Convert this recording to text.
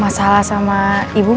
masalah sama ibu bu